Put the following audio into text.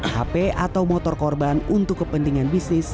hp atau motor korban untuk kepentingan bisnis